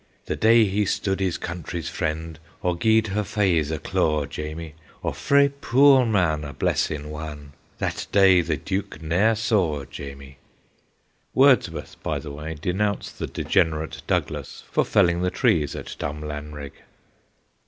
The day he stood his country's friend, Or gied her faes a claw, Jamie, Or frae puir man a blessin' wan, That day the duke ne'er saw, Jamie.' Wordsworth, by the way, denounced the ' degenerate Douglas ' for felling the trees at Drumlanrig.